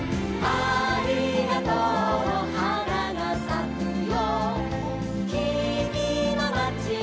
「ありがとうのはながさくよ」